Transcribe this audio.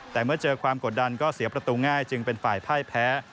แต่เมื่อเจอความกดดันก็เสียประตูง่ายจึงเป็นฝ่ายพ่ายแพ้